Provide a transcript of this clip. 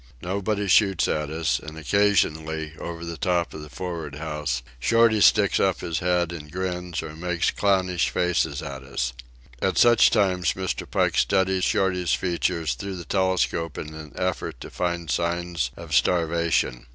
Nobody shoots at us, and, occasionally, over the top of the for'ard house, Shorty sticks up his head and grins or makes clownish faces at us. At such times Mr. Pike studies Shorty's features through the telescope in an effort to find signs of starvation.